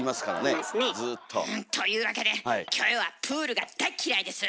いますね。というわけでキョエはプールが大っ嫌いです。